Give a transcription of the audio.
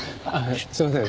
すいません。